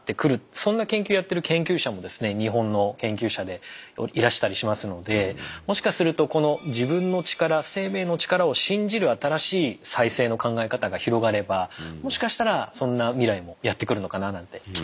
そんな研究をやってる研究者もですね日本の研究者でいらしたりしますのでもしかするとこの自分の力生命の力を信じる新しい再生の考え方が広がればもしかしたらそんな未来もやってくるのかななんて期待してます。